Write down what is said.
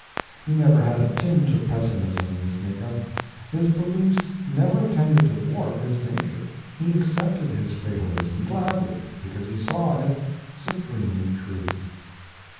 He never had a tinge of pessimism in his make up, his beliefs never tended to warp his nature, he accepted his fatalism gladly because he saw in it supreme truth.